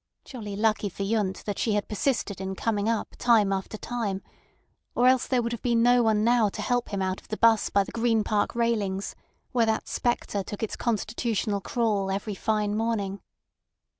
Jolly lucky for Yundt that she had persisted in coming up time after time, or else there would have been no one now to help him out of the 'bus by the Green Park railings, where that spectre took its constitutional crawl every fine morning.